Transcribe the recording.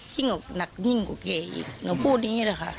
ยิ่งหนักยิ่งกว่าเก๋อีกหนูพูดอย่างนี้เลยค่ะ